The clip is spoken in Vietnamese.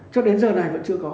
cho đến giờ này vẫn chưa có